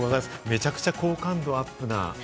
めちゃくちゃ好感度アップな。